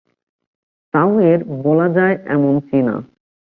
চাও এর "বলা যায় এমন চীনা"।